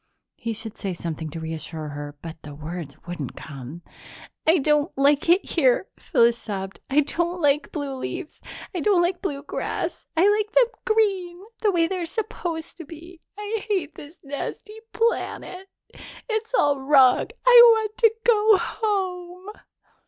He should say something to reassure her, but the words wouldn't come. "I don't like it here," Phyllis sobbed. "I don't like blue leaves. I don't like blue grass. I like them green, the way they're supposed to be. I hate this nasty planet. It's all wrong. I want to go home."